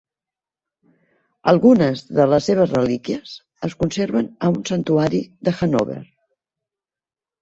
Algunes de les seves relíquies es conserven a un santuari de Hannover.